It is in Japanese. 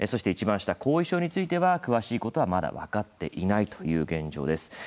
そして、後遺症については詳しいことはまだ分かっていないという現状です。